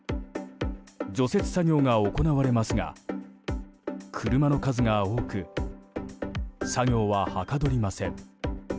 除雪作業が行われますが車の数が多く作業ははかどりません。